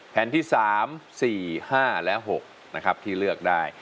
แผ่นที่๓๔๕และ๖นะครับที่เลือกได้